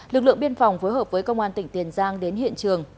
lực lượng biên phòng phối hợp với công an tỉnh tiền giang đến hiện trường